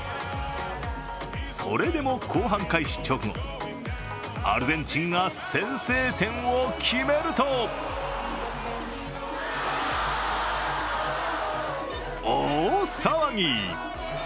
それでも後半開始直後、アルゼンチンが先制点を決めると大騒ぎ！